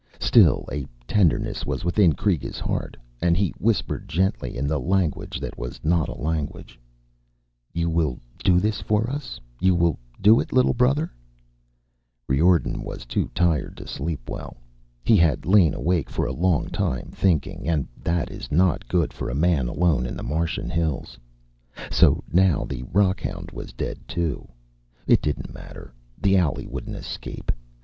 Still, a tenderness was within Kreega's heart, and he whispered gently in the language that was not a language, You will do this for us? You will do it, little brother? Riordan was too tired to sleep well. He had lain awake for a long time, thinking, and that is not good for a man alone in the Martian hills. So now the rockhound was dead too. It didn't matter, the owlie wouldn't escape.